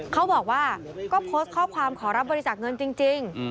เขาบอกว่าก็โพสต์ข้อความขอรับบริจาคเงินจริง